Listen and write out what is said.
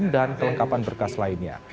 dan kelengkapan berkas lainnya